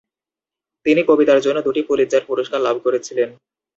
তিনি কবিতার জন্য দুটি পুলিৎজার পুরস্কার লাভ করেছিলেন।